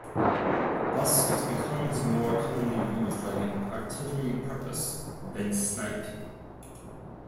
Thus it becomes more commonly used like an artillery purpose than sniping.